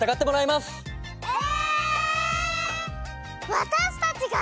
わたしたちが？